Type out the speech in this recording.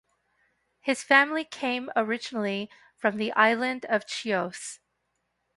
His family came originally from the island of Chios.